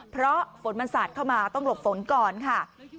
เพราะฝนมันสาดเข้ามาต้องหลบฝนก่อนค่ะ